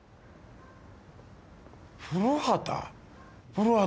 ☎古畑？